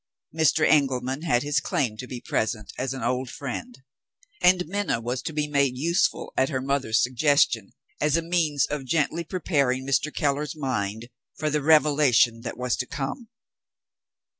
Mr. Engelman had his claim to be present as an old friend; and Minna was to be made useful, at her mother's suggestion, as a means of gently preparing Mr. Keller's mind for the revelation that was to come.